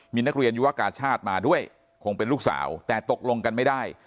มีนักเรียนยุวกาชาติมาด้วยคงเป็นลูกสาวแต่ตกลงกันไม่ได้